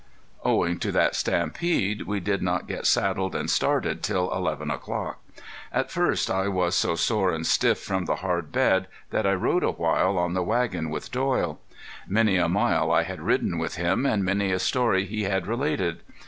Owing to that stampede we did not get saddled and started till eleven o'clock. At first I was so sore and stiff from the hard bed that I rode a while on the wagon with Doyle. Many a mile I had ridden with him, and many a story he had related.